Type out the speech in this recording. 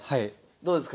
どうですか